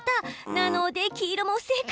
なので黄色も不正解。